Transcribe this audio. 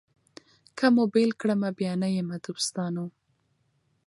که مو بېل کړمه بیا نه یمه دوستانو